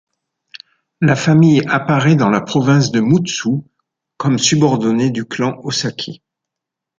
La famille apparaît dans la province de Mutsu au comme subordonnée du clan Ōsaki.